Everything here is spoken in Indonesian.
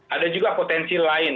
ada juga potensi lain